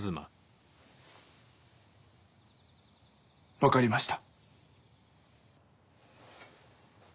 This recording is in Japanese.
分かりました。